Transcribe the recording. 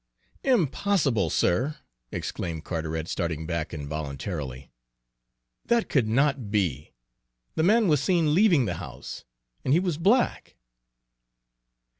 "Impossible, sir!" exclaimed Carteret, starting back involuntarily. "That could not be! The man was seen leaving the house, and he was black!"